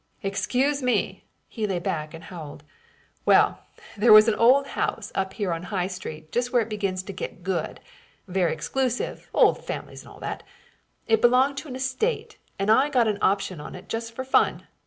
Excuse me!" He lay back and howled. "Well, there was an old house up here on High Street just where it begins to get good; very exclusive old families and all that. It belonged to an estate, and I got an option on it just for fun.